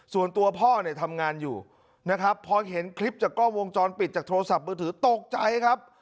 ส่วนตัวพ่อเนี่ยทำงานอยู่นะครับพอเห็นคลิปจากกล้องวงจรปิดจากโทรศัพท์มือถือตกใจครับ